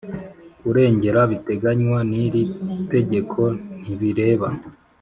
Kurengera biteganywa n iri tegeko ntibireba